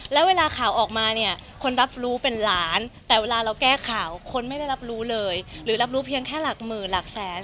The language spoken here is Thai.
แล้วเวลาข่าวออกมาเนี่ยคนรับรู้เป็นล้านแต่เวลาเราแก้ข่าวคนไม่ได้รับรู้เลยหรือรับรู้เพียงแค่หลักหมื่นหลักแสน